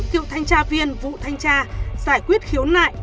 cựu thanh tra viên vụ thanh tra giải quyết khiếu nại